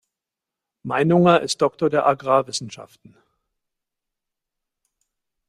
Meinunger ist Doktor der Agrarwissenschaften.